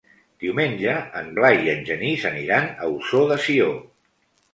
Diumenge en Blai i en Genís aniran a Ossó de Sió.